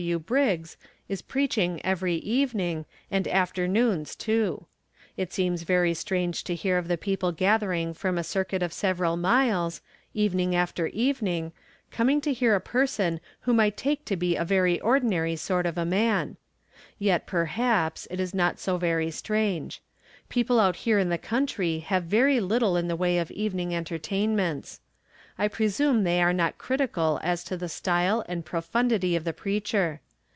W. Briggs, is preaching every evening, and afternoons too. It seems very strange to hear of the people gathering from a circuit of several mdes, evening after evening, coming to From Different Standpoints. 31 hear a person whom I take to be a very ordinary sort of a man. Yet, perhaps, it is not so very strange. People out here in the country have very little in the way of evening entertainments. I presume they are not critical as to the style and profundity of the preacher.